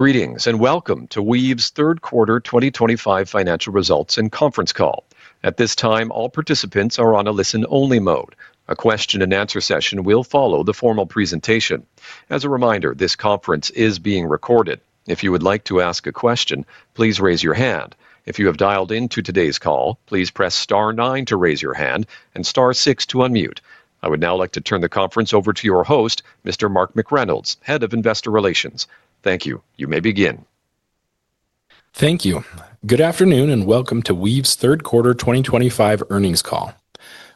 Greetings and welcome to Weave's Third Quarter 2025 Financial Results and Conference Call. At this time, all participants are on a listen-only mode. A question-and-answer session will follow the formal presentation. As a reminder, this conference is being recorded. If you would like to ask a question, please raise your hand. If you have dialed into today's call, please press star nine to raise your hand and star six to unmute. I would now like to turn the conference over to your host, Mr. Mark McReynolds, Head of Investor Relations. Thank you. You may begin. Thank you. Good afternoon and welcome to Weave's Third Quarter 2025 Earnings Call.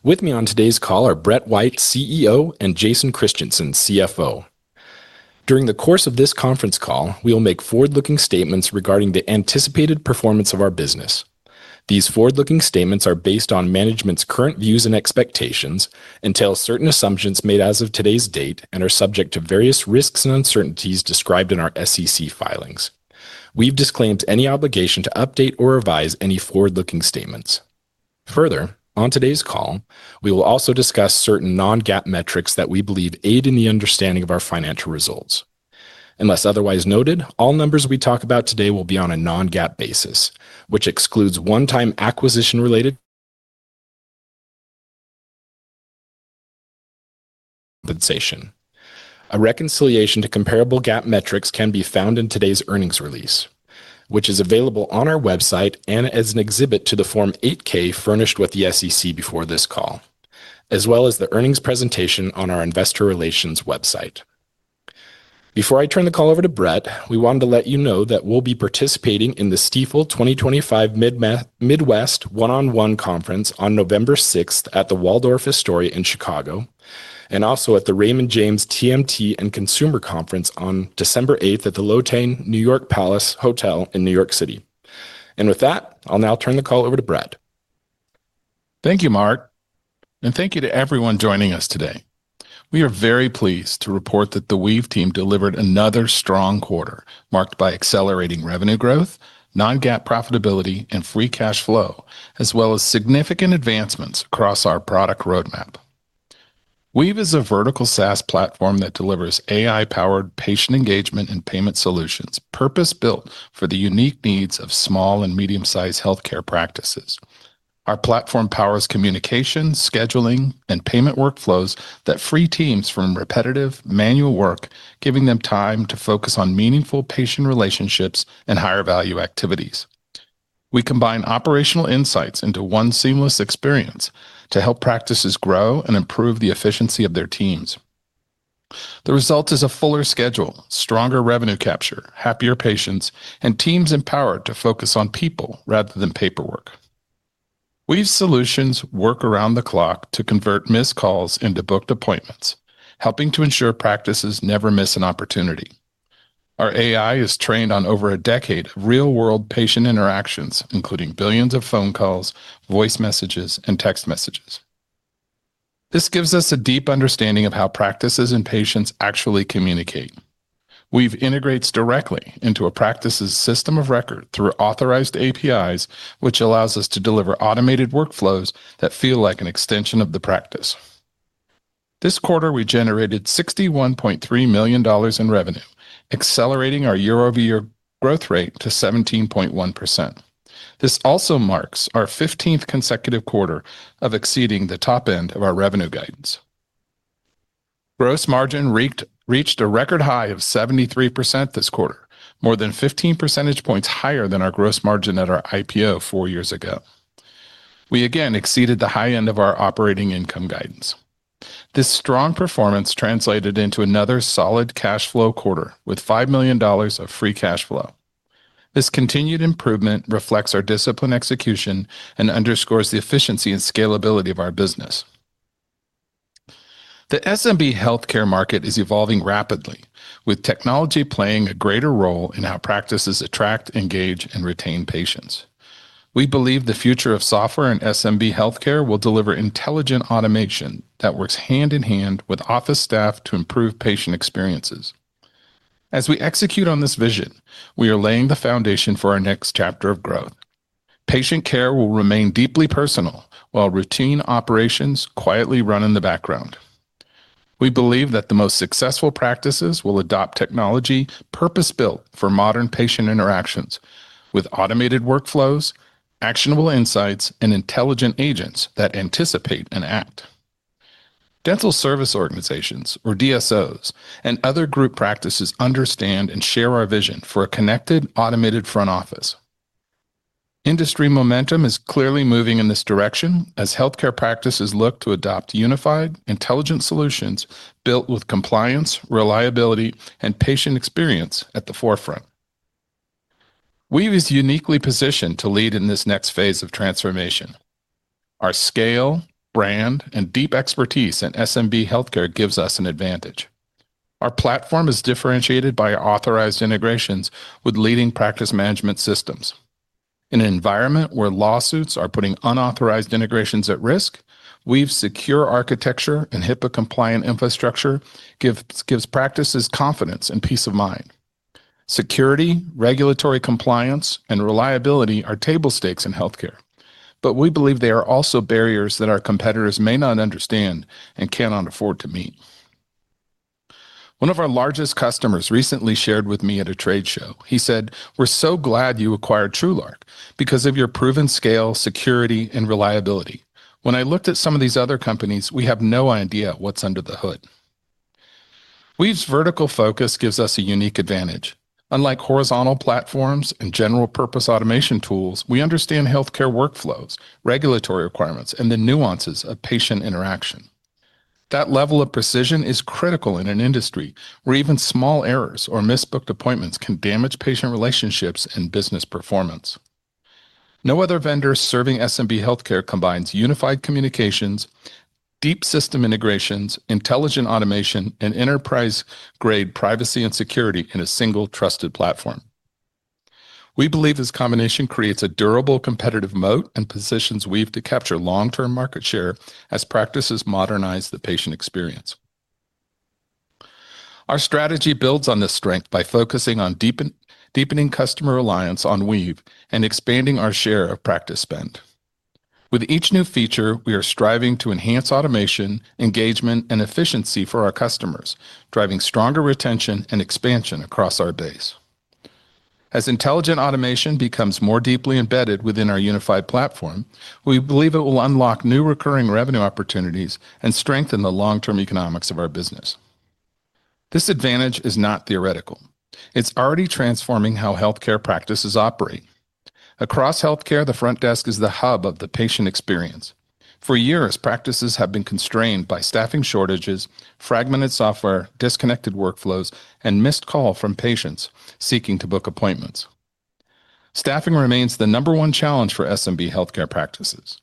With me on today's call are Brett White, CEO, and Jason Christiansen, CFO. During the course of this conference call, we will make forward-looking statements regarding the anticipated performance of our business. These forward-looking statements are based on management's current views and expectations, entail certain assumptions made as of today's date, and are subject to various risks and uncertainties described in our SEC filings. We have disclaimed any obligation to update or revise any forward-looking statements. Further, on today's call, we will also discuss certain non-GAAP metrics that we believe aid in the understanding of our financial results. Unless otherwise noted, all numbers we talk about today will be on a non-GAAP basis, which excludes one-time acquisition-related compensation. A reconciliation to comparable GAAP metrics can be found in today's earnings release, which is available on our website and as an exhibit to the Form 8-K furnished with the SEC before this call, as well as the earnings presentation on our investor relations website. Before I turn the call over to Brett, we wanted to let you know that we will be participating in the Stifel 2025 Midwest One-on-One Conference on November 6th at the Waldorf Astoria in Chicago and also at the Raymond James TMT and Consumer Conference on December 8th at the Lotte New York Palace Hotel in New York City. With that, I will now turn the call over to Brett. Thank you, Mark. Thank you to everyone joining us today. We are very pleased to report that the Weave team delivered another strong quarter marked by accelerating revenue growth, non-GAAP profitability, and free cash flow, as well as significant advancements across our product roadmap. Weave is a vertical SaaS platform that delivers AI-powered patient engagement and payment solutions, purpose-built for the unique needs of small and medium-sized healthcare practices. Our platform powers communication, scheduling, and payment workflows that free teams from repetitive manual work, giving them time to focus on meaningful patient relationships and higher value activities. We combine operational insights into one seamless experience to help practices grow and improve the efficiency of their teams. The result is a fuller schedule, stronger revenue capture, happier patients, and teams empowered to focus on people rather than paperwork. Weave's solutions work around the clock to convert missed calls into booked appointments, helping to ensure practices never miss an opportunity. Our AI is trained on over a decade of real-world patient interactions, including billions of phone calls, voice messages, and text messages. This gives us a deep understanding of how practices and patients actually communicate. Weave integrates directly into a practice's system of record through authorized APIs, which allows us to deliver automated workflows that feel like an extension of the practice. This quarter, we generated $61.3 million in revenue, accelerating our year-over-year growth rate to 17.1%. This also marks our 15th consecutive quarter of exceeding the top end of our revenue guidance. Gross margin reached a record high of 73% this quarter, more than 15 percentage points higher than our gross margin at our IPO 4 years ago. We again exceeded the high end of our operating income guidance. This strong performance translated into another solid cash flow quarter with $5 million of free cash flow. This continued improvement reflects our disciplined execution and underscores the efficiency and scalability of our business. The SMB healthcare market is evolving rapidly, with technology playing a greater role in how practices attract, engage, and retain patients. We believe the future of software and SMB healthcare will deliver intelligent automation that works hand in hand with office staff to improve patient experiences. As we execute on this vision, we are laying the foundation for our next chapter of growth. Patient care will remain deeply personal while routine operations quietly run in the background. We believe that the most successful practices will adopt technology purpose-built for modern patient interactions with automated workflows, actionable insights, and intelligent agents that anticipate and act. Dental service organizations, or DSOs, and other group practices understand and share our vision for a connected, automated front office. Industry momentum is clearly moving in this direction as healthcare practices look to adopt unified, intelligent solutions built with compliance, reliability, and patient experience at the forefront. Weave is uniquely positioned to lead in this next phase of transformation. Our scale, brand, and deep expertise in SMB healthcare gives us an advantage. Our platform is differentiated by authorized integrations with leading practice management systems. In an environment where lawsuits are putting unauthorized integrations at risk, Weave's secure architecture and HIPAA-compliant infrastructure gives practices confidence and peace of mind. Security, regulatory compliance, and reliability are table stakes in healthcare, but we believe they are also barriers that our competitors may not understand and cannot afford to meet. One of our largest customers recently shared with me at a trade show. He said, "We're so glad you acquired TrueLark because of your proven scale, security, and reliability. When I looked at some of these other companies, we have no idea what's under the hood." Weave's vertical focus gives us a unique advantage. Unlike horizontal platforms and general-purpose automation tools, we understand healthcare workflows, regulatory requirements, and the nuances of patient interaction. That level of precision is critical in an industry where even small errors or misbooked appointments can damage patient relationships and business performance. No other vendor serving SMB healthcare combines unified communications, deep system integrations, intelligent automation, and enterprise-grade privacy and security in a single, trusted platform. We believe this combination creates a durable, competitive moat and positions Weave to capture long-term market share as practices modernize the patient experience. Our strategy builds on this strength by focusing on deepening customer reliance on Weave and expanding our share of practice spend. With each new feature, we are striving to enhance automation, engagement, and efficiency for our customers, driving stronger retention and expansion across our base. As intelligent automation becomes more deeply embedded within our unified platform, we believe it will unlock new recurring revenue opportunities and strengthen the long-term economics of our business. This advantage is not theoretical. It's already transforming how healthcare practices operate. Across healthcare, the front desk is the hub of the patient experience. For years, practices have been constrained by staffing shortages, fragmented software, disconnected workflows, and missed calls from patients seeking to book appointments. Staffing remains the number one challenge for SMB healthcare practices.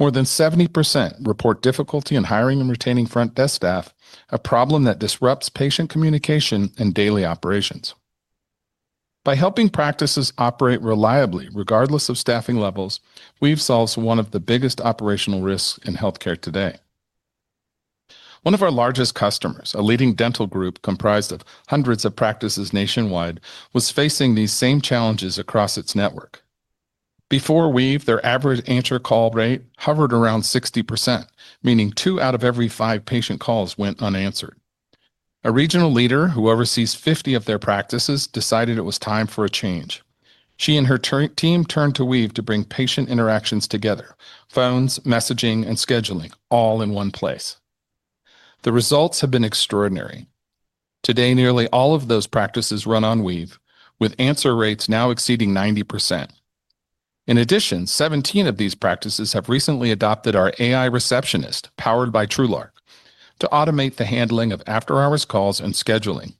More than 70% report difficulty in hiring and retaining front desk staff, a problem that disrupts patient communication and daily operations. By helping practices operate reliably regardless of staffing levels, Weave solves one of the biggest operational risks in healthcare today. One of our largest customers, a leading dental group comprised of hundreds of practices nationwide, was facing these same challenges across its network. Before Weave, their average answer call rate hovered around 60%, meaning two out of every five patient calls went unanswered. A regional leader who oversees 50 of their practices decided it was time for a change. She and her team turned to Weave to bring patient interactions together: phones, messaging, and scheduling, all in one place. The results have been extraordinary. Today, nearly all of those practices run on Weave, with answer rates now exceeding 90%. In addition, 17 of these practices have recently adopted our AI receptionist powered by TrueLark to automate the handling of after-hours calls and scheduling.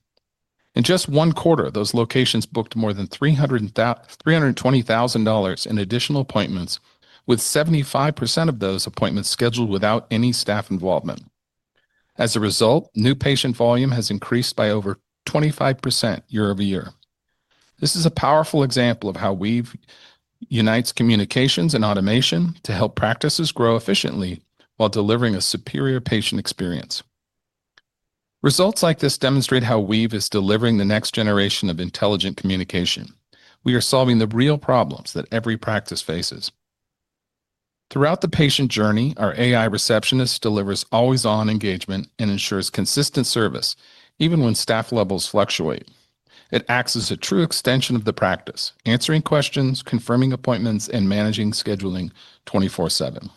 In just one quarter, those locations booked more than $320,000 in additional appointments, with 75% of those appointments scheduled without any staff involvement. As a result, new patient volume has increased by over 25% year-over-year. This is a powerful example of how Weave unites communications and automation to help practices grow efficiently while delivering a superior patient experience. Results like this demonstrate how Weave is delivering the next generation of intelligent communication. We are solving the real problems that every practice faces. Throughout the patient journey, our AI receptionist delivers always-on engagement and ensures consistent service, even when staff levels fluctuate. It acts as a true extension of the practice, answering questions, confirming appointments, and managing scheduling 24/7.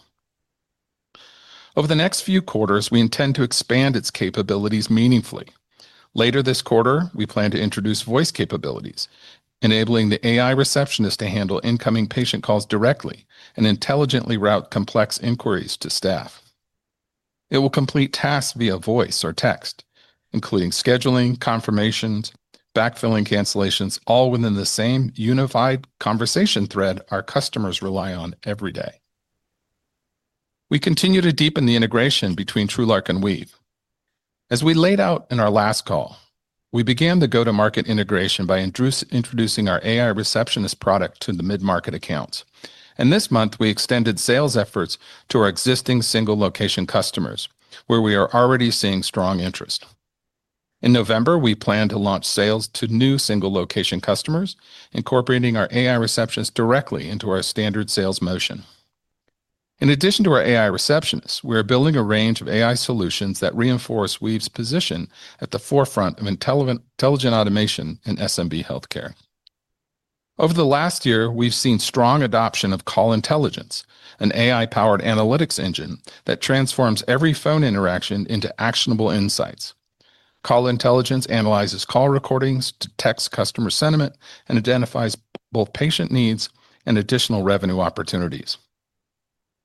Over the next few quarters, we intend to expand its capabilities meaningfully. Later this quarter, we plan to introduce voice capabilities, enabling the AI receptionist to handle incoming patient calls directly and intelligently route complex inquiries to staff. It will complete tasks via voice or text, including scheduling, confirmations, backfilling cancellations, all within the same unified conversation thread our customers rely on every day. We continue to deepen the integration between TrueLark and Weave. As we laid out in our last call, we began the go-to-market integration by introducing our AI receptionist product to the mid-market accounts. This month, we extended sales efforts to our existing single-location customers, where we are already seeing strong interest. In November, we plan to launch sales to new single-location customers, incorporating our AI receptionist directly into our standard sales motion. In addition to our AI receptionist, we are building a range of AI solutions that reinforce Weave's position at the forefront of intelligent automation in SMB healthcare. Over the last year, we've seen strong adoption of Call Intelligence, an AI-powered analytics engine that transforms every phone interaction into actionable insights. Call Intelligence analyzes call recordings, detects customer sentiment, and identifies both patient needs and additional revenue opportunities.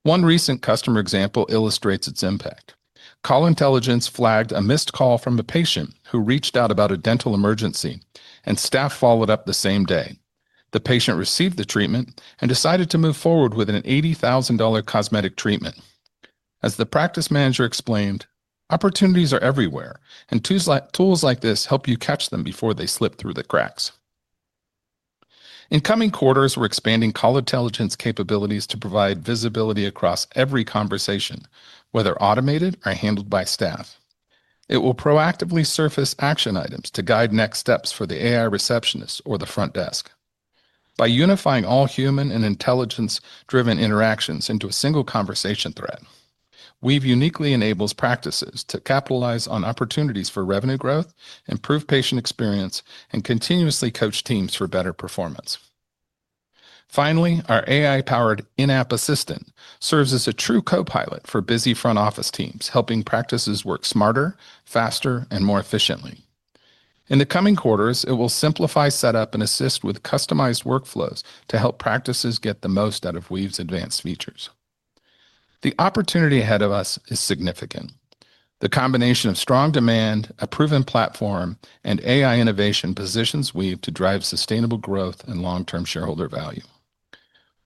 One recent customer example illustrates its impact. Call Intelligence flagged a missed call from a patient who reached out about a dental emergency, and staff followed up the same day. The patient received the treatment and decided to move forward with an $80,000 cosmetic treatment. As the practice manager explained, "Opportunities are everywhere, and tools like this help you catch them before they slip through the cracks." In coming quarters, we're expanding Call Intelligence capabilities to provide visibility across every conversation, whether automated or handled by staff. It will proactively surface action items to guide next steps for the AI receptionist or the front desk. By unifying all human and intelligence-driven interactions into a single conversation thread, Weave uniquely enables practices to capitalize on opportunities for revenue growth, improve patient experience, and continuously coach teams for better performance. Finally, our AI-powered in-app assistant serves as a true co-pilot for busy front office teams, helping practices work smarter, faster, and more efficiently. In the coming quarters, it will simplify setup and assist with customized workflows to help practices get the most out of Weave's advanced features. The opportunity ahead of us is significant. The combination of strong demand, a proven platform, and AI innovation positions Weave to drive sustainable growth and long-term shareholder value.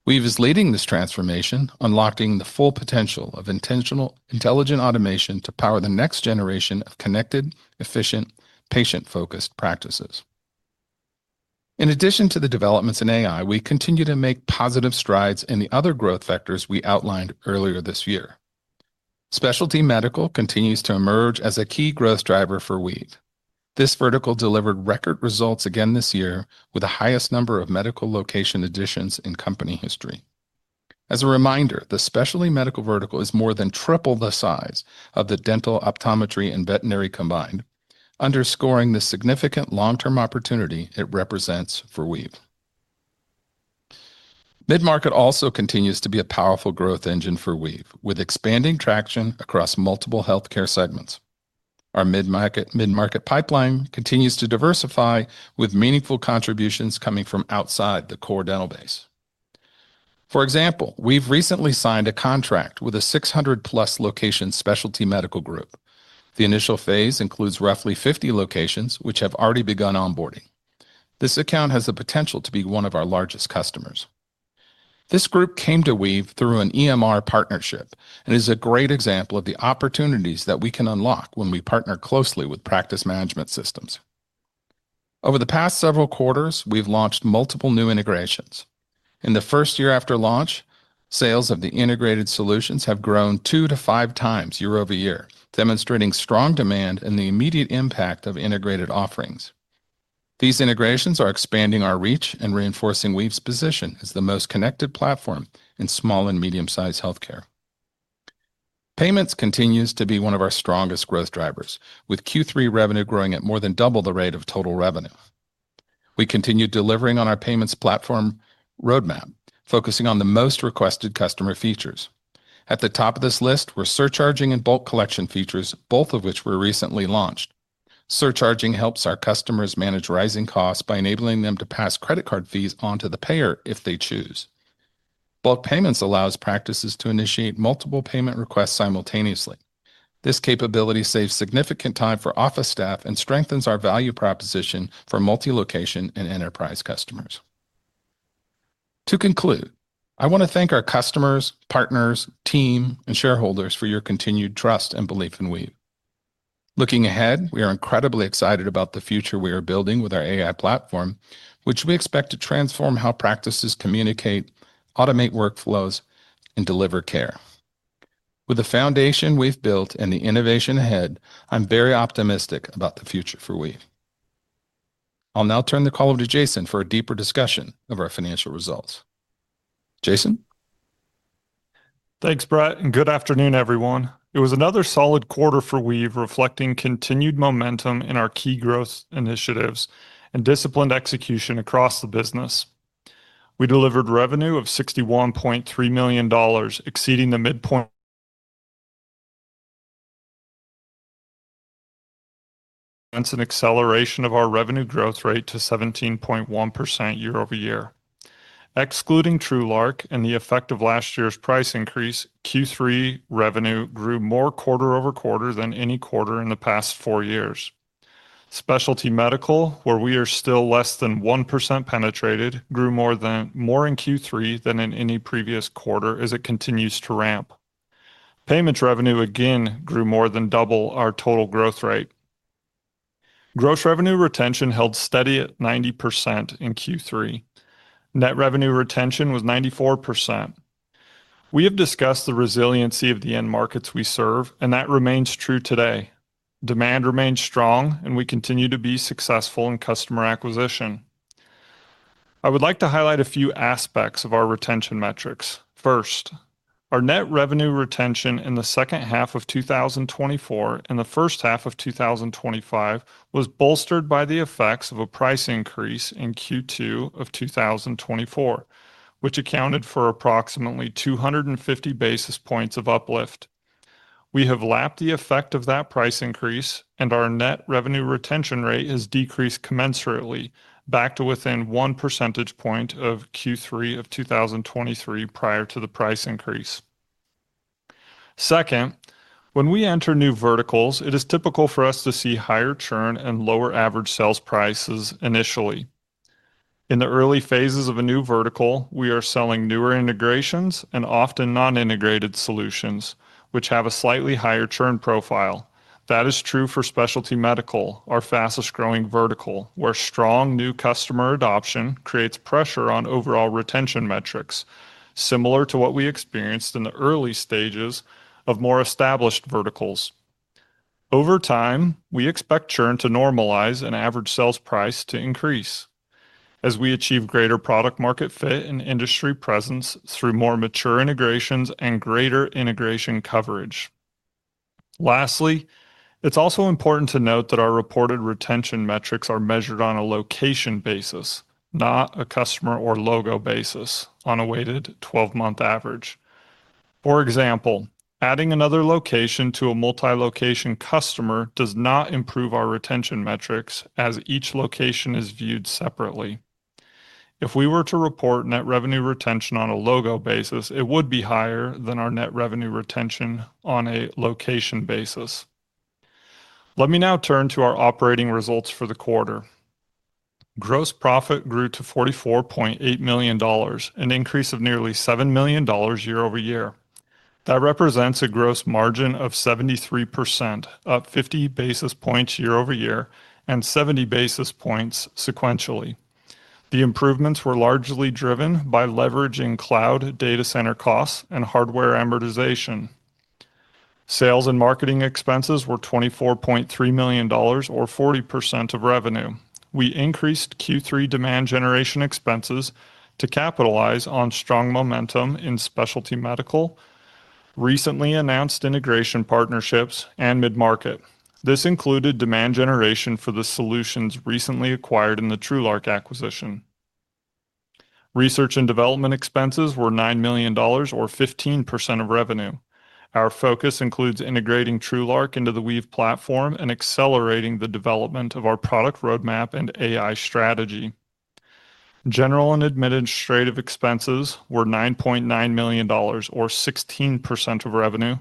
Weave is leading this transformation, unlocking the full potential of intelligent automation to power the next generation of connected, efficient, patient-focused practices. In addition to the developments in AI, we continue to make positive strides in the other growth factors we outlined earlier this year. Specialty medical continues to emerge as a key growth driver for Weave. This vertical delivered record results again this year with the highest number of medical location additions in company history. As a reminder, the specialty medical vertical is more than triple the size of the dental, optometry, and veterinary combined, underscoring the significant long-term opportunity it represents for Weave. Mid-market also continues to be a powerful growth engine for Weave, with expanding traction across multiple healthcare segments. Our mid-market pipeline continues to diversify, with meaningful contributions coming from outside the core dental base. For example, we've recently signed a contract with a 600+ location specialty medical group. The initial phase includes roughly 50 locations, which have already begun onboarding. This account has the potential to be one of our largest customers. This group came to Weave through an EMR partnership and is a great example of the opportunities that we can unlock when we partner closely with practice management systems. Over the past several quarters, we've launched multiple new integrations. In the first year after launch, sales of the integrated solutions have grown 2-5x year-over-year, demonstrating strong demand and the immediate impact of integrated offerings. These integrations are expanding our reach and reinforcing Weave's position as the most connected platform in small and medium-sized healthcare. Payments continues to be one of our strongest growth drivers, with Q3 revenue growing at more than double the rate of total revenue. We continue delivering on our payments platform roadmap, focusing on the most requested customer features. At the top of this list were surcharging and bulk collection features, both of which were recently launched. Surcharging helps our customers manage rising costs by enabling them to pass credit card fees onto the payer if they choose. Bulk payments allows practices to initiate multiple payment requests simultaneously. This capability saves significant time for office staff and strengthens our value proposition for multi-location and enterprise customers. To conclude, I want to thank our customers, partners, team, and shareholders for your continued trust and belief in Weave. Looking ahead, we are incredibly excited about the future we are building with our AI platform, which we expect to transform how practices communicate, automate workflows, and deliver care. With the foundation we've built and the innovation ahead, I'm very optimistic about the future for Weave. I'll now turn the call over to Jason for a deeper discussion of our financial results. Jason? Thanks, Brett. And good afternoon, everyone. It was another solid quarter for Weave, reflecting continued momentum in our key growth initiatives and disciplined execution across the business. We delivered revenue of $61.3 million, exceeding the midpoint. An acceleration of our revenue growth rate to 17.1% year-over-year. Excluding TrueLark and the effect of last year's price increase, Q3 revenue grew more quarter-over-quarter than any quarter in the past 4 years. Specialty medical, where we are still less than 1% penetrated, grew more in Q3 than in any previous quarter as it continues to ramp. Payments revenue again grew more than double our total growth rate. Gross revenue retention held steady at 90% in Q3. Net revenue retention was 94%. We have discussed the resiliency of the end markets we serve, and that remains true today. Demand remains strong, and we continue to be successful in customer acquisition. I would like to highlight a few aspects of our retention metrics. First, our net revenue retention in the second half of 2024 and the first half of 2025 was bolstered by the effects of a price increase in Q2 of 2024, which accounted for approximately 250 basis points of uplift. We have lapped the effect of that price increase, and our net revenue retention rate has decreased commensurately back to within 1 percentage point of Q3 of 2023 prior to the price increase. Second, when we enter new verticals, it is typical for us to see higher churn and lower average sales prices initially. In the early phases of a new vertical, we are selling newer integrations and often non-integrated solutions, which have a slightly higher churn profile. That is true for specialty medical, our fastest-growing vertical, where strong new customer adoption creates pressure on overall retention metrics, similar to what we experienced in the early stages of more established verticals. Over time, we expect churn to normalize and average sales price to increase as we achieve greater product-market fit and industry presence through more mature integrations and greater integration coverage. Lastly, it's also important to note that our reported retention metrics are measured on a location basis, not a customer or logo basis on a weighted 12-month average. For example, adding another location to a multi-location customer does not improve our retention metrics as each location is viewed separately. If we were to report net revenue retention on a logo basis, it would be higher than our net revenue retention on a location basis. Let me now turn to our operating results for the quarter. Gross profit grew to $44.8 million, an increase of nearly $7 million year-over-year. That represents a gross margin of 73%, up 50 basis points year-over-year and 70 basis points sequentially. The improvements were largely driven by leveraging cloud data center costs and hardware amortization. Sales and marketing expenses were $24.3 million, or 40% of revenue. We increased Q3 demand generation expenses to capitalize on strong momentum in specialty medical. Recently announced integration partnerships and mid-market. This included demand generation for the solutions recently acquired in the TrueLark acquisition. Research and development expenses were $9 million, or 15% of revenue. Our focus includes integrating TrueLark into the Weave platform and accelerating the development of our product roadmap and AI strategy. General and administrative expenses were $9.9 million, or 16% of revenue,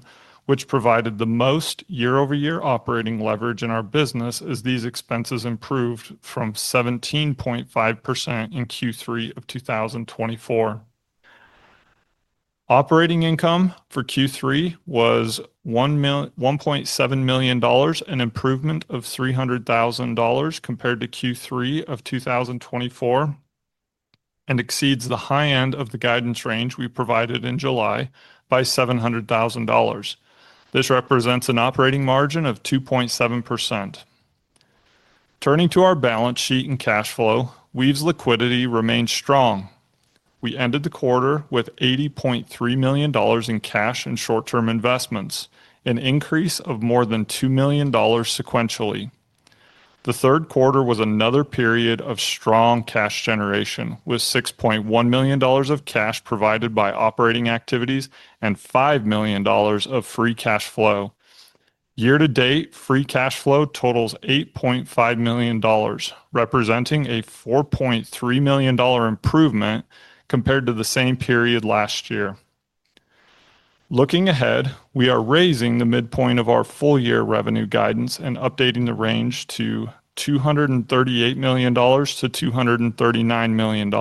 which provided the most year-over-year operating leverage in our business as these expenses improved from 17.5% in Q3 of 2024. Operating income for Q3 was $1.7 million, an improvement of $300,000 compared to Q3 of 2024. It exceeds the high end of the guidance range we provided in July by $700,000. This represents an operating margin of 2.7%. Turning to our balance sheet and cash flow, Weave's liquidity remained strong. We ended the quarter with $80.3 million in cash and short-term investments, an increase of more than $2 million sequentially. The third quarter was another period of strong cash generation, with $6.1 million of cash provided by operating activities and $5 million of free cash flow. Year-to-date, free cash flow totals $8.5 million, representing a $4.3 million improvement compared to the same period last year. Looking ahead, we are raising the midpoint of our full-year revenue guidance and updating the range to $238 million-$239 million.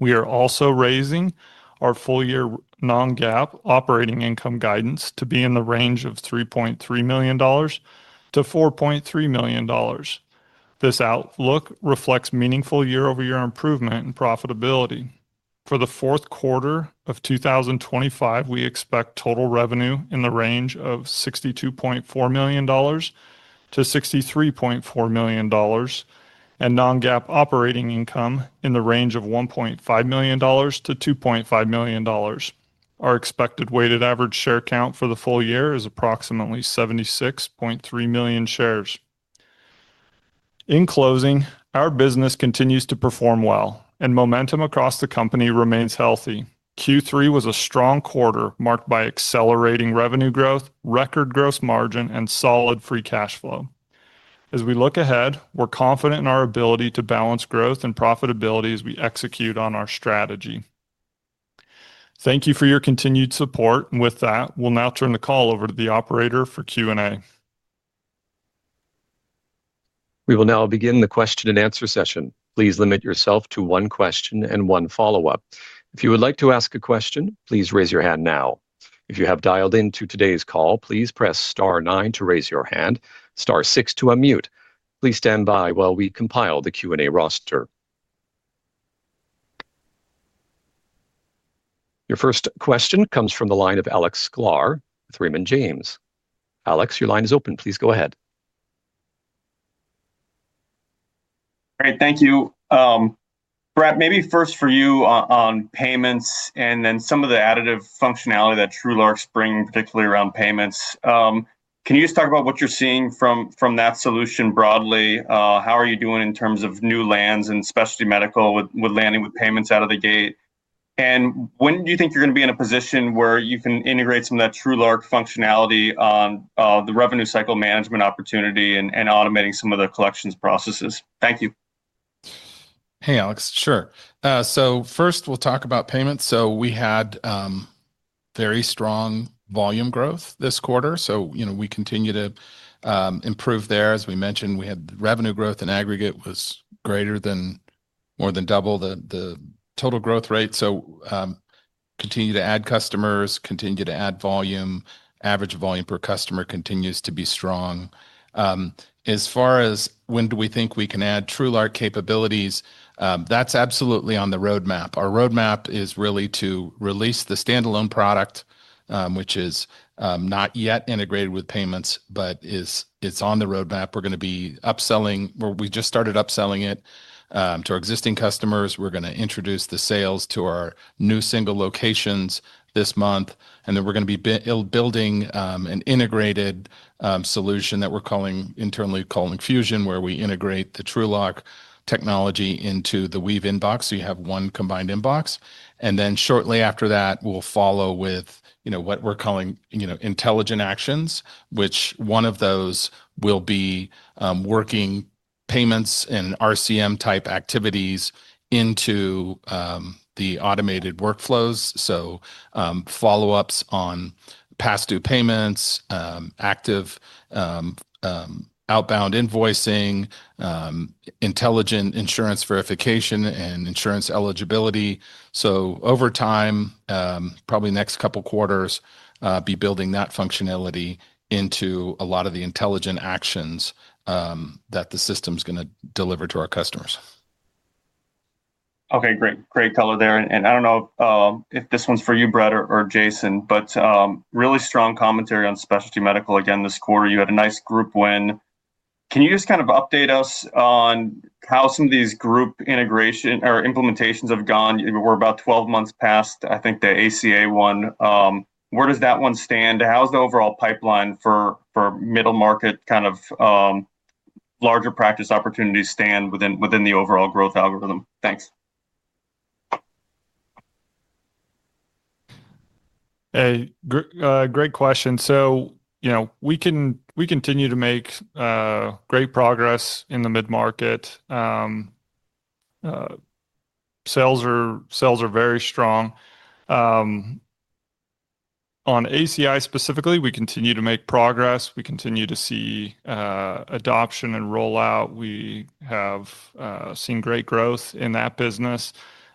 We are also raising our full-year non-GAAP operating income guidance to be in the range of $3.3 million-$4.3 million. This outlook reflects meaningful year-over-year improvement in profitability. For the fourth quarter of 2025, we expect total revenue in the range of $62.4 million-$63.4 million and non-GAAP operating income in the range of $1.5 million-$2.5 million. Our expected weighted average share count for the full year is approximately 76.3 million shares. In closing, our business continues to perform well, and momentum across the company remains healthy. Q3 was a strong quarter marked by accelerating revenue growth, record gross margin, and solid free cash flow. As we look ahead, we're confident in our ability to balance growth and profitability as we execute on our strategy. Thank you for your continued support. With that, we'll now turn the call over to the operator for Q&A. We will now begin the question-and-answer session. Please limit yourself to one question and one follow-up. If you would like to ask a question, please raise your hand now. If you have dialed into today's call, please press star nine to raise your hand, star six to unmute. Please stand by while we compile the Q&A roster. Your first question comes from the line of Alex Sklar with Raymond James. Alex, your line is open. Please go ahead. All right. Thank you. Brett, maybe first for you on payments and then some of the additive functionality that TrueLark's bringing, particularly around payments. Can you just talk about what you're seeing from that solution broadly? How are you doing in terms of new lands and specialty medical with landing with payments out of the gate? When do you think you're going to be in a position where you can integrate some of that TrueLark functionality on the revenue cycle management opportunity and automating some of the collections processes? Thank you. Hey, Alex. Sure. First, we'll talk about payments. We had very strong volume growth this quarter. We continue to improve there. As we mentioned, we had revenue growth in aggregate that was greater than more than double the total growth rate. We continue to add customers, continue to add volume. Average volume per customer continues to be strong. As far as when do we think we can add TrueLark capabilities, that's absolutely on the roadmap. Our roadmap is really to release the standalone product, which is not yet integrated with payments, but it's on the roadmap. We're going to be upselling. We just started upselling it to our existing customers. We're going to introduce the sales to our new single locations this month. We're going to be building an integrated solution that we're internally calling [infusion] where we integrate the TrueLark technology into the Weave inbox so you have one combined inbox. Shortly after that, we'll follow with what we're calling intelligent actions, which one of those will be working payments and RCM-type activities into the automated workflows. Follow-ups on past-due payments, active outbound invoicing, intelligent insurance verification, and insurance eligibility. Over time, probably next couple of quarters, be building that functionality into a lot of the intelligent actions that the system is going to deliver to our customers. Okay. Great. Great color there. I don't know if this one's for you, Brett or Jason, but really strong commentary on specialty medical. Again, this quarter, you had a nice group win. Can you just kind of update us on how some of these group integration or implementations have gone? We're about 12 months past, I think, the ACA one. Where does that one stand? How's the overall pipeline for middle market kind of larger practice opportunities stand within the overall growth algorithm? Thanks. Great question. We continue to make. Great progress in the mid-market. Sales are very strong. On ACI specifically, we continue to make progress. We continue to see adoption and rollout. We have seen great growth in that business.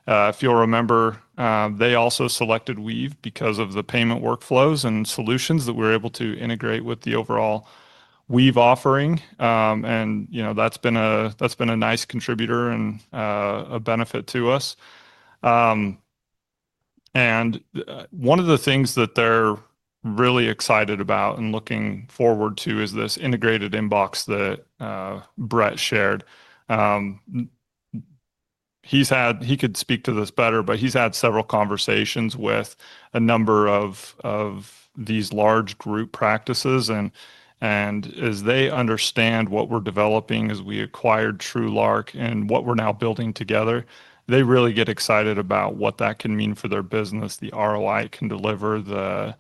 If you'll remember, they also selected Weave because of the payment workflows and solutions that we're able to integrate with the overall Weave offering. That's been a nice contributor and a benefit to us. One of the things that they're really excited about and looking forward to is this integrated inbox that Brett shared. He could speak to this better, but he's had several conversations with a number of these large group practices. As they understand what we're developing as we acquired TrueLark and what we're now building together, they really get excited about what that can mean for their business, the ROI it can deliver, the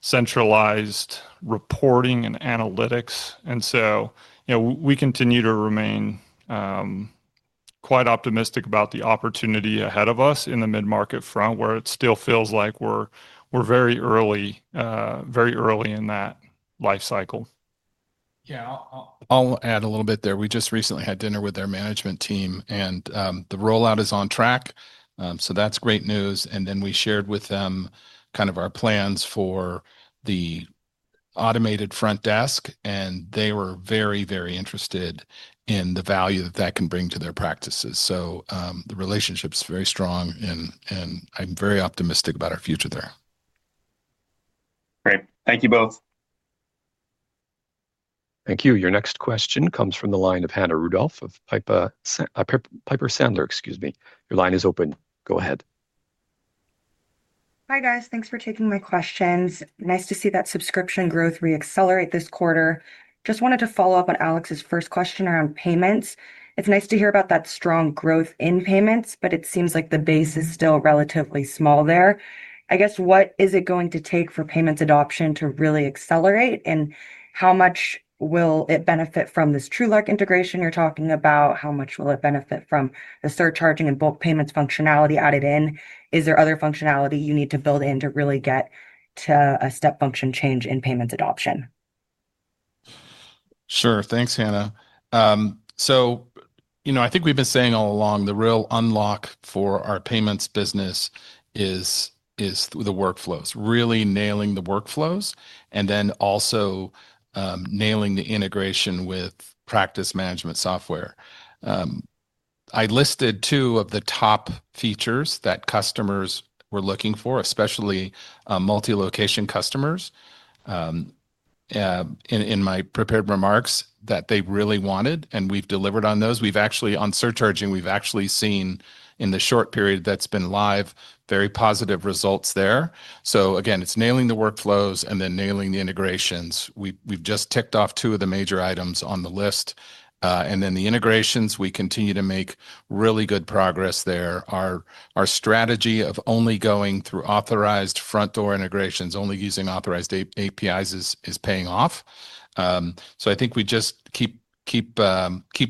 centralized reporting and analytics. We continue to remain quite optimistic about the opportunity ahead of us in the mid-market front, where it still feels like we're very early in that life cycle. Yeah. I'll add a little bit there. We just recently had dinner with their management team, and the rollout is on track. That's great news. We shared with them kind of our plans for the automated front desk, and they were very, very interested in the value that that can bring to their practices. The relationship's very strong, and I'm very optimistic about our future there. Great. Thank you both. Thank you. Your next question comes from the line of Hannah Rudoff of Piper Sandler, excuse me. Your line is open. Go ahead. Hi, guys. Thanks for taking my questions. Nice to see that subscription growth re-accelerate this quarter. Just wanted to follow up on Alex's first question around payments. It's nice to hear about that strong growth in payments, but it seems like the base is still relatively small there. I guess, what is it going to take for payments adoption to really accelerate, and how much will it benefit from this TrueLark integration you're talking about? How much will it benefit from the surcharging and bulk payments functionality added in? Is there other functionality you need to build in to really get to a step function change in payments adoption? Sure. Thanks, Hannah. I think we've been saying all along the real unlock for our payments business is the workflows, really nailing the workflows, and then also nailing the integration with practice management software. I listed two of the top features that customers were looking for, especially multi-location customers, in my prepared remarks that they really wanted, and we've delivered on those. On surcharging, we've actually seen in the short period that's been live very positive results there. It's nailing the workflows and then nailing the integrations. We've just ticked off two of the major items on the list. The integrations, we continue to make really good progress there. Our strategy of only going through authorized front door integrations, only using authorized APIs, is paying off. I think we just keep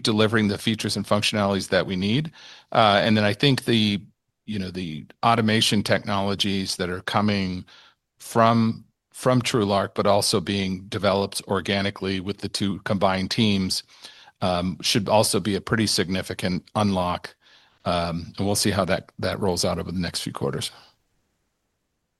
delivering the features and functionalities that we need. I think the automation technologies that are coming from TrueLark, but also being developed organically with the two combined teams, should also be a pretty significant unlock. We'll see how that rolls out over the next few quarters.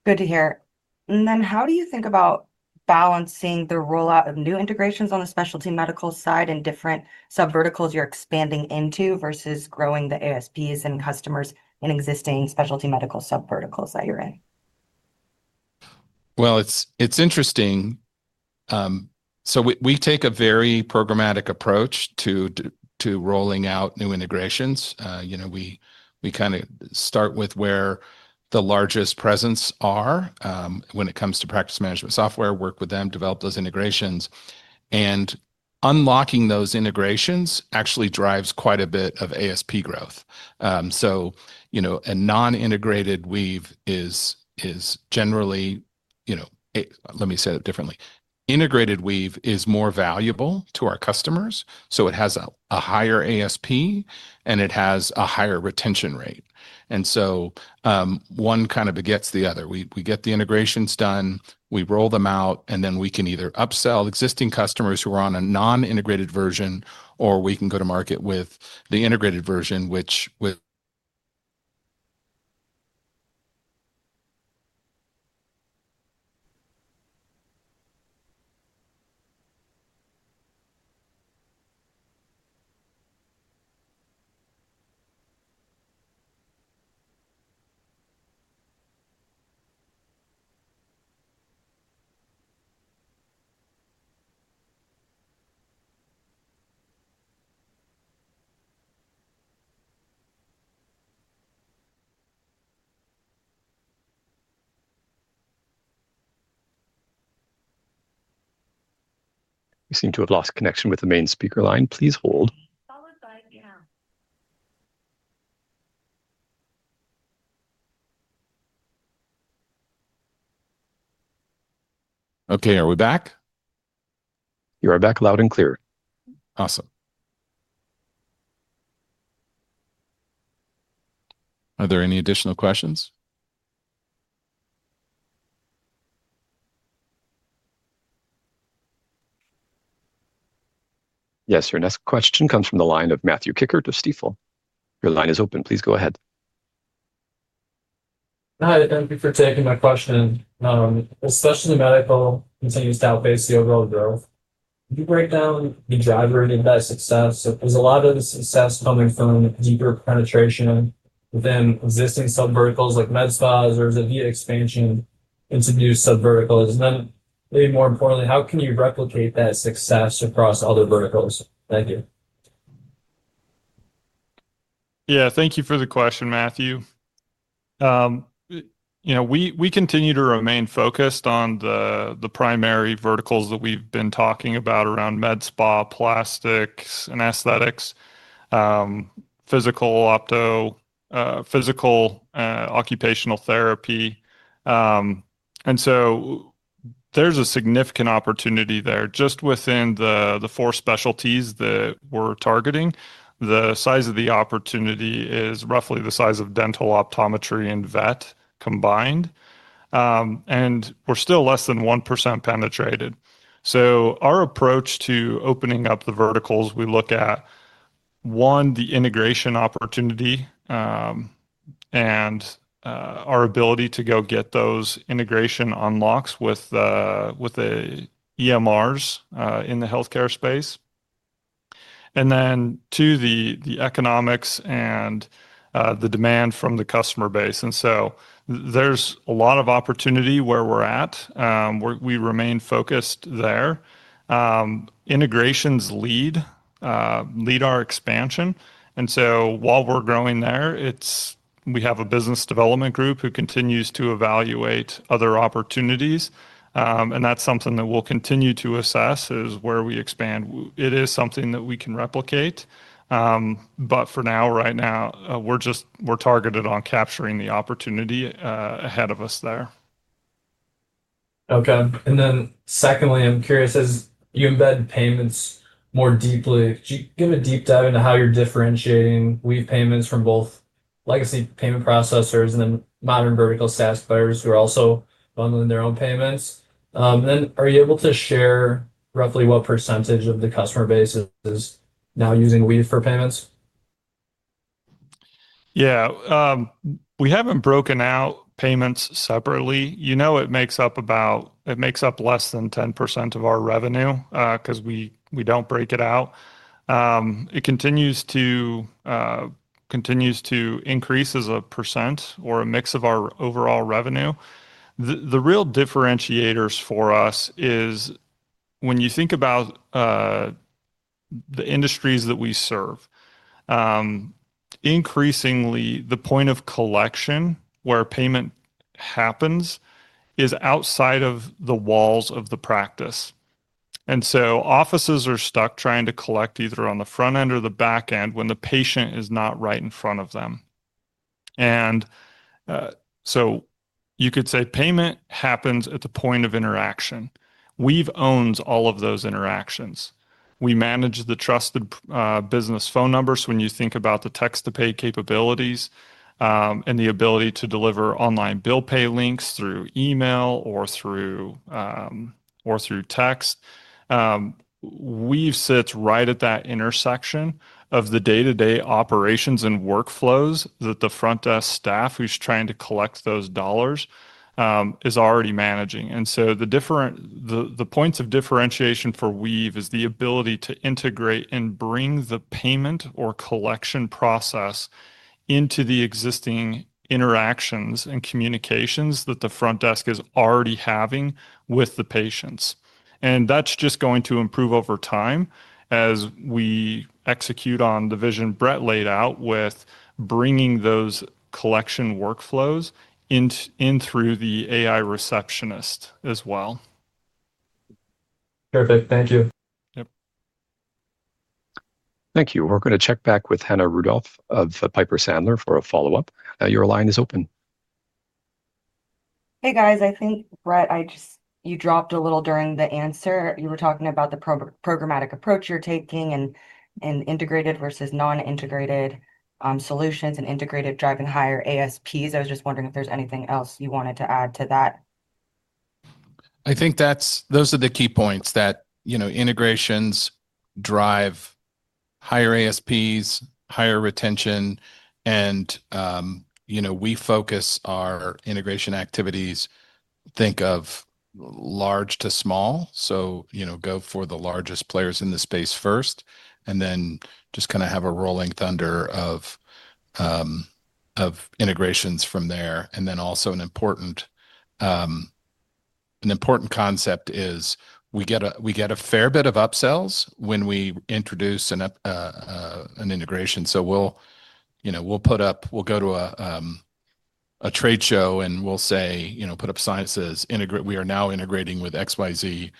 Good to hear. How do you think about balancing the rollout of new integrations on the specialty medical side and different subverticals you're expanding into versus growing the ASPs and customers in existing specialty medical subverticals that you're in? It's interesting. We take a very programmatic approach to rolling out new integrations. We kind of start with where the largest presence are when it comes to practice management software, work with them, develop those integrations. Unlocking those integrations actually drives quite a bit of ASP growth. A non-integrated Weave is, generally, let me say it differently, integrated Weave is more valuable to our customers. It has a higher ASP, and it has a higher retention rate. One kind of begets the other. We get the integrations done, we roll them out, and then we can either upsell existing customers who are on a non-integrated version, or we can go to market with the integrated version, which— Seem to have lost connection with the main speaker line. Please hold. Okay. Are we back? You are back loud and clear. Awesome. Are there any additional questions? Yes. Your next question comes from the line of Matthew Kikkert of Stifel. Your line is open. Please go ahead. Thank you for taking my question. Specialty medical continues to outpace the overall growth. Can you break down the driver of that success? There's a lot of success coming from deeper penetration within existing subverticals like med spas or as a V expansion into new subverticals. Maybe more importantly, how can you replicate that success across other verticals? Thank you. Thank you for the question, Matthew. We continue to remain focused on the primary verticals that we've been talking about around med spa, plastics, and aesthetics, physical, opto, physical, occupational therapy. There's a significant opportunity there. Just within the four specialties that we're targeting, the size of the opportunity is roughly the size of dental, optometry, and vet combined, and we're still less than 1% penetrated. Our approach to opening up the verticals, we look at, one, the integration opportunity and our ability to go get those integration unlocks with the EMRs in the healthcare space, and two, the economics and the demand from the customer base. There's a lot of opportunity where we're at. We remain focused there. Integrations lead our expansion, and while we're growing there, we have a business development group who continues to evaluate other opportunities. That's something that we'll continue to assess, where we expand. It is something that we can replicate, but for now, right now, we're targeted on capturing the opportunity ahead of us there. Okay. Secondly, I'm curious, as you embed payments more deeply, could you give a deep dive into how you're differentiating Weave Payments from both legacy payment processors and modern vertical SaaS players who are also bundling their own payments? Are you able to share roughly what percentage of the customer base is now using Weave for payments? We haven't broken out payments separately. It makes up less than 10% of our revenue because we don't break it out. It continues to increase as a percent or a mix of our overall revenue. The real differentiators for us are, when you think about the industries that we serve, increasingly, the point of collection where payment happens is outside of the walls of the practice. Offices are stuck trying to collect either on the front end or the back end when the patient is not right in front of them. You could say payment happens at the point of interaction. Weave owns all of those interactions. We manage the trusted business phone numbers when you think about the text-to-pay capabilities and the ability to deliver online bill pay links through email or through text. Weave sits right at that intersection of the day-to-day operations and workflows that the front desk staff who's trying to collect those dollars is already managing. The points of differentiation for Weave is the ability to integrate and bring the payment or collection process into the existing interactions and communications that the front desk is already having with the patients. That's just going to improve over time as we execute on the vision Brett laid out with bringing those collection workflows in through the AI receptionist as well. Perfect. Thank you. Thank you. We're going to check back with Hannah Rudoff of Piper Sandler for a follow-up. Your line is open. Hey, guys. I think, Brett, you dropped a little during the answer. You were talking about the programmatic approach you're taking and integrated versus non-integrated solutions and integrated driving higher ASPs. I was just wondering if there's anything else you wanted to add to that. I think those are the key points that integrations drive higher ASPs, higher retention, and we focus our integration activities. Think of large to small. Go for the largest players in the space first, and then just kind of have a rolling thunder of integrations from there. Also, an important concept is we get a fair bit of upsells when we introduce an integration. We'll put up, we'll go to a trade show, and we'll say, "Put up signs that we are now integrating with XYZ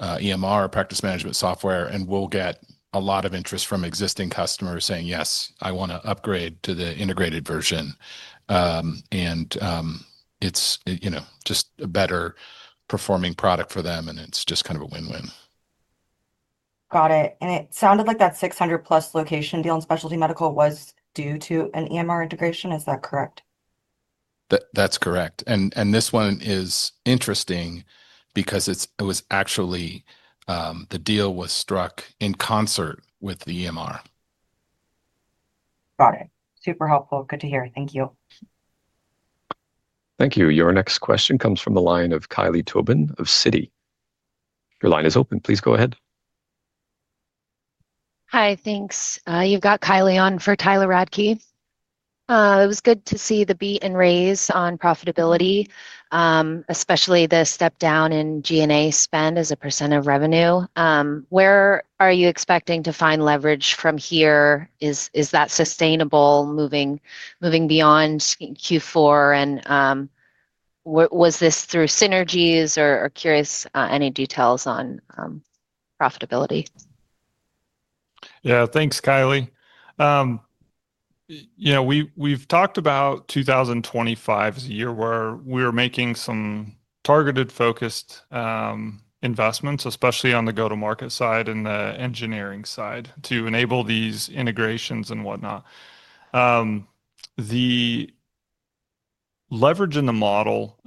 EMR, practice management software," and we'll get a lot of interest from existing customers saying, "Yes, I want to upgrade to the integrated version." It's just a better performing product for them, and it's just kind of a win-win. Got it. It sounded like that 600+ location deal in specialty medical was due to an EMR integration. Is that correct? That's correct. This one is interesting because it was actually the deal was struck in concert with the EMR. Got it. Super helpful. Good to hear. Thank you. Thank you. Your next question comes from the line of Kylie Towbin of Citi. Your line is open. Please go ahead. Hi. Thanks. You've got Kylie on for Tyler Radke. It was good to see the beat and raise on profitability, especially the step down in G&A spend as a percent of revenue. Where are you expecting to find leverage from here? Is that sustainable moving beyond Q4? Was this through synergies? Or curious any details on profitability? Yeah. Thanks, Kylie. We've talked about 2025 as a year where we're making some targeted, focused investments, especially on the go-to-market side and the engineering side, to enable these integrations and whatnot. The leverage in the model,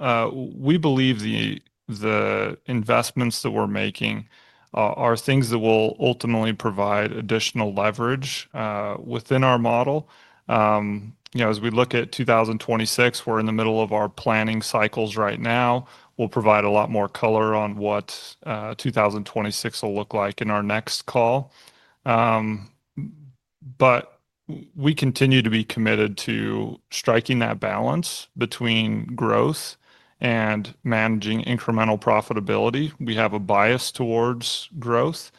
we believe the investments that we're making are things that will ultimately provide additional leverage within our model. As we look at 2026, we're in the middle of our planning cycles right now. We'll provide a lot more color on what 2026 will look like in our next call. We continue to be committed to striking that balance between growth and managing incremental profitability. We have a bias towards growth.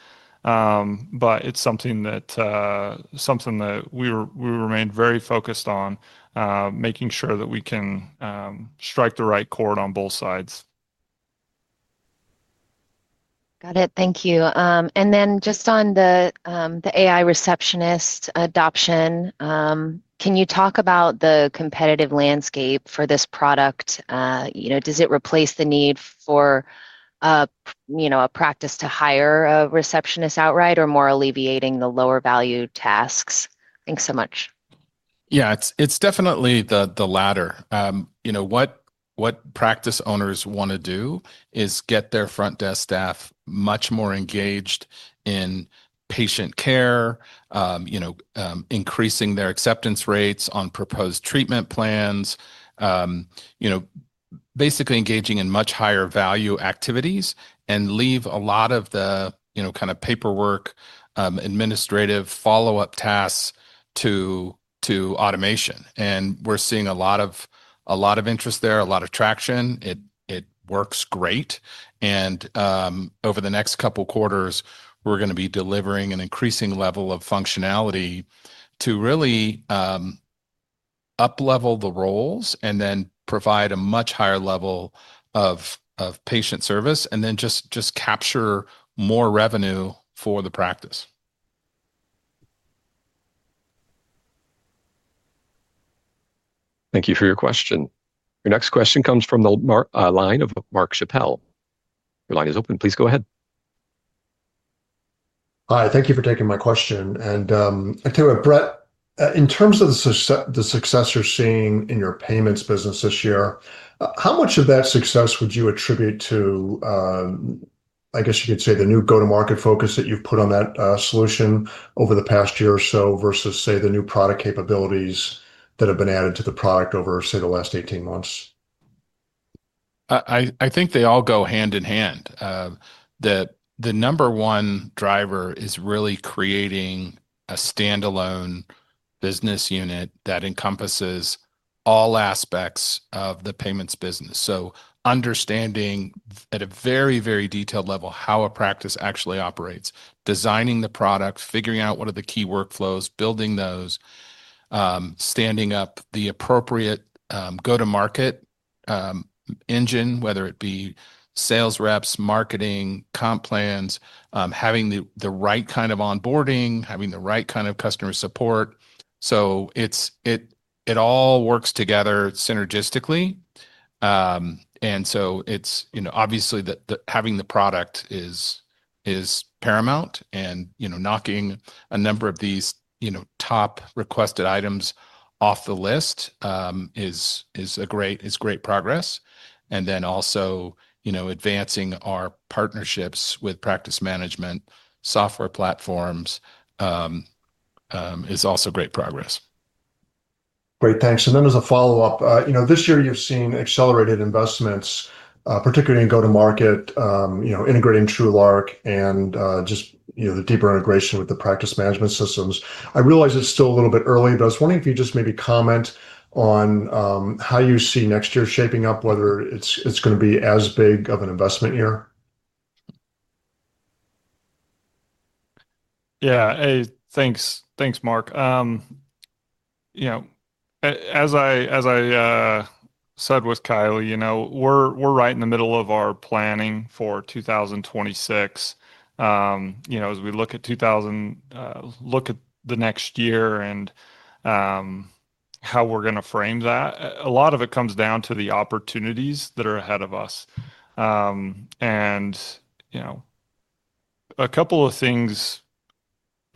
It's something that we remain very focused on, making sure that we can strike the right chord on both sides. Got it. Thank you. And then just on the AI receptionist adoption, can you talk about the competitive landscape for this product? Does it replace the need for a practice to hire a receptionist outright or more alleviating the lower-value tasks? Thanks so much. Yeah. It's definitely the latter. What practice owners want to do is get their front desk staff much more engaged in patient care, increasing their acceptance rates on proposed treatment plans, basically engaging in much higher-value activities and leave a lot of the kind of paperwork, administrative follow-up tasks to automation. We're seeing a lot of interest there, a lot of traction. It works great. Over the next couple of quarters, we're going to be delivering an increasing level of functionality to really up-level the roles and then provide a much higher level of patient service and then just capture more revenue for the practice. Thank you for your question. Your next question comes from the line of Mark Schappel. Your line is open. Please go ahead. Hi. Thank you for taking my question. To it, Brett, in terms of the success you're seeing in your payments business this year, how much of that success would you attribute to, I guess you could say, the new go-to-market focus that you've put on that solution over the past year or so versus, say, the new product capabilities that have been added to the product over, say, the last 18 months? I think they all go hand in hand. The number one driver is really creating a standalone business unit that encompasses all aspects of the payments business. Understanding at a very, very detailed level how a practice actually operates, designing the product, figuring out what are the key workflows, building those, standing up the appropriate go-to-market engine, whether it be sales reps, marketing, comp plans, having the right kind of onboarding, having the right kind of customer support, it all works together synergistically. Obviously, having the product is paramount, and knocking a number of these top requested items off the list is great progress. Advancing our partnerships with practice management software platforms is also great progress. Thanks. As a follow-up, this year you've seen accelerated investments, particularly in go-to-market, integrating TrueLark and just the deeper integration with the practice management systems. I realize it's still a little bit early, but I was wondering if you'd maybe comment on how you see next year shaping up, whether it's going to be as big of an investment year. Yeah. Thanks, Mark. As I said with Kylie, we're right in the middle of our planning for 2026. As we look at the next year and how we're going to frame that, a lot of it comes down to the opportunities that are ahead of us. A couple of things: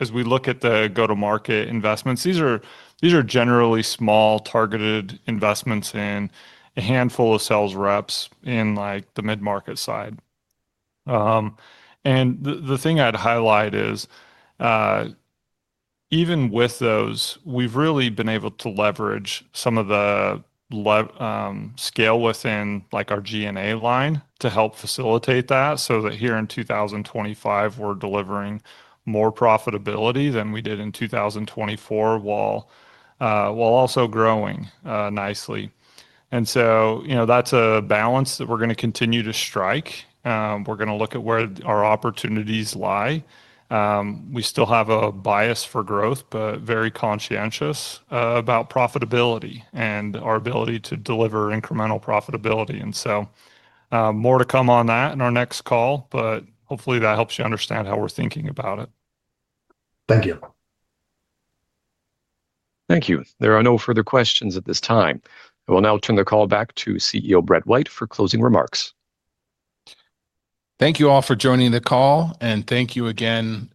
as we look at the go-to-market investments, these are generally small targeted investments in a handful of sales reps in the mid-market side. The thing I'd highlight is, even with those, we've really been able to leverage some of the scale within our G&A line to help facilitate that so that here in 2025, we're delivering more profitability than we did in 2024 while also growing nicely. That's a balance that we're going to continue to strike. We're going to look at where our opportunities lie. We still have a bias for growth, but are very conscientious about profitability and our ability to deliver incremental profitability. More to come on that in our next call, but hopefully, that helps you understand how we're thinking about it. Thank you. Thank you. There are no further questions at this time. I will now turn the call back to CEO Brett White for closing remarks. Thank you all for joining the call. And thank you again.